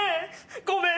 ごめん！